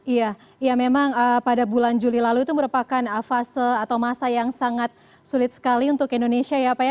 iya ya memang pada bulan juli lalu itu merupakan fase atau masa yang sangat sulit sekali untuk indonesia ya pak ya